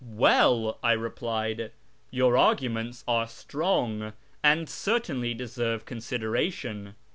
" Well," I replied, " your arguments are strong, and ertainly deserve consideration.